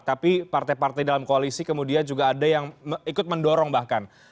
tapi partai partai dalam koalisi kemudian juga ada yang ikut mendorong bahkan